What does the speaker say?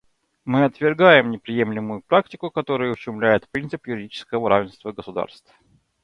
Мы отвергаем неприемлемую практику, которая ущемляет принцип юридического равенства государств.